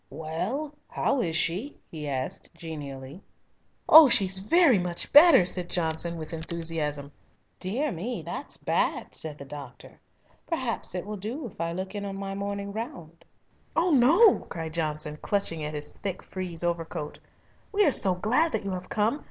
"Well, how is she?" he asked genially. "Oh, she's very much better," said Johnson, with enthusiasm. "Dear me, that's bad!" said the doctor. "Perhaps it will do if I look in on my morning round?" "No, no," cried Johnson, clutching at his thick frieze overcoat. "We are so glad that you have come.